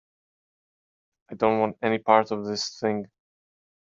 I don't want any part of this thing.